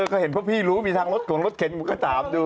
ก็เห็นเพราะพี่รู้มีทางรถของรถเข็นผมก็ถามดู